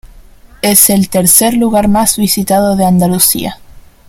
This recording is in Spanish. Es el tercer lugar más visitado de Andalucía.